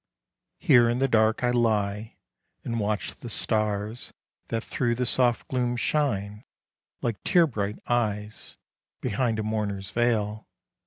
HERE in the dark I lie, and watch the stars That through the soft gloom shine like tear bright eyes Behind a mourner's veil.